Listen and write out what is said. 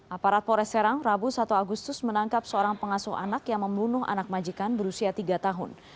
aparat pores serang rabu satu agustus menangkap seorang pengasuh anak yang membunuh anak majikan berusia tiga tahun